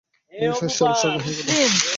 তিনি স্বেচ্ছায় অবসর গ্রহণ করেন।